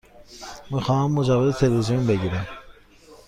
می خواهم مجوز تلویزیون بگیرم.